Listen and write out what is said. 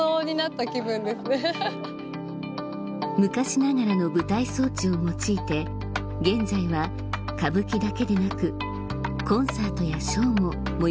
昔ながらの舞台装置を用いて現在は歌舞伎だけでなくコンサートやショーも催されています